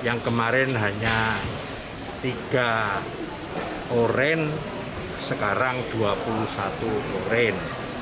yang kemarin hanya tiga orange sekarang dua puluh satu orang